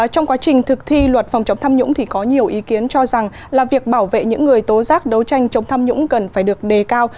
trong quá trình thực thi luật phòng chống tham nhũng thì có nhiều ý kiến cho rằng là việc bảo vệ những người tố giác đấu tranh chống tham nhũng cần phải được đề cao